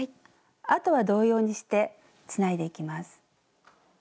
あとは同様にしてつないでいきます。